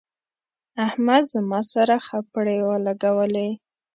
احمد زما سره خپړې ولګولې.